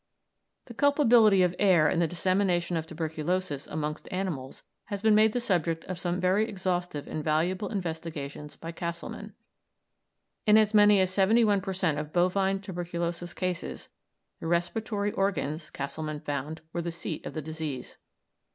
The culpability of air in the dissemination of tuberculosis amongst animals has been made the subject of some very exhaustive and valuable investigations by Kasselmann. In as many as 71 per cent of bovine tuberculosis cases the respiratory organs, Kasselmann found, were the seat of the disease.